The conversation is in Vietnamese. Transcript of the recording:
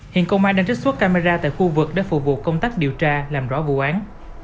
hiện công an đang trích xuất camera tại khu vực để phục vụ công tác điều tra làm rõ vụ án